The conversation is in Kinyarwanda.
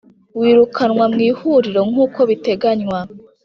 Wirukanwa mu ihuriro nk uko biteganywa